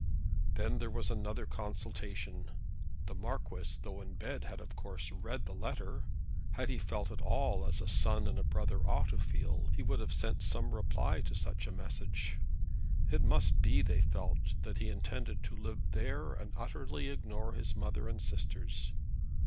Then there was another consultation. The Marquis, though in bed, had of course read the letter. Had he felt at all as a son and a brother ought to feel, he would have sent some reply to such a message. It must be, they felt, that he intended to live there and utterly ignore his mother and sisters.